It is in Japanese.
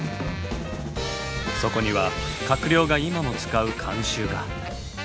そこには閣僚が今も使う慣習が。